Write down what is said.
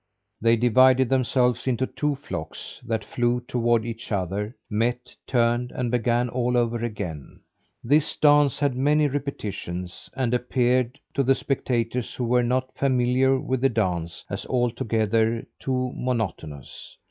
They divided themselves into two flocks, that flew toward each other, met, turned, and began all over again. This dance had many repetitions, and appeared to the spectators who were not familiar with the dance as altogether too monotonous.